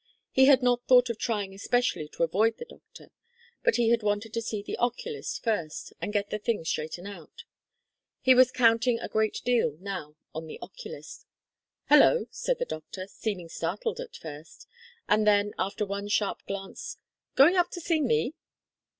He had not thought of trying especially to avoid the doctor, but he had wanted to see the oculist first and get the thing straightened out. He was counting a great deal now on the oculist. "Hello!" said the doctor, seeming startled at first, and then after one sharp glance: "Going up to see me?"